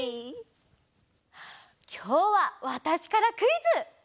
きょうはわたしからクイズ！